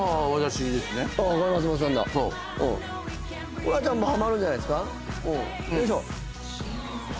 これじゃあはまるんじゃないですか。